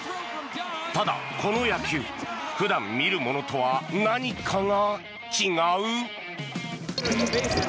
ただ、この野球普段見るものとは何かが違う。